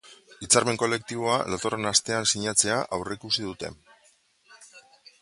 Hitzarmen kolektiboa datorren astean sinatzea aurreikusi dute.